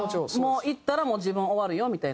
「言ったらもう自分終わるよ」みたいな？